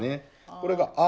これが「あ」